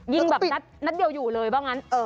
ยิงแบบนัดเดียวอยู่เลยว่างั้น